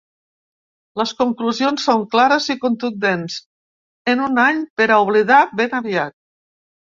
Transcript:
Les conclusions són clares i contundents en un any per a oblidar ben aviat.